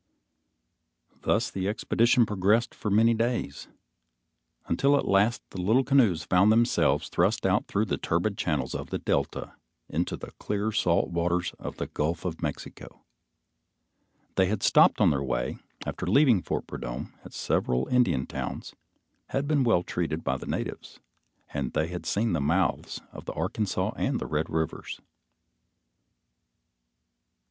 Thus the expedition progressed for many days, until at last the little canoes found themselves thrust out through the turbid channels of the delta, into the clear salt waters of the Gulf of Mexico. They had stopped on the way after leaving Fort Prudhomme, at several Indian towns, had been well treated by the natives, and they had seen the mouths of the Arkansas and the Red rivers.